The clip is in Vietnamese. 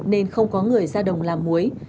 nên không có người ra đồng làm muối